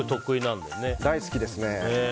大好きですね。